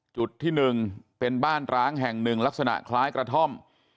จุดที่๑เป็นบ้านร้างแห่งหนึ่งลักษณะคล้ายกระท่อม